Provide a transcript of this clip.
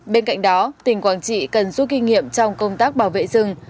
bên cạnh đó tỉnh quảng trị cần rút kinh nghiệm trong công tác bảo vệ rừng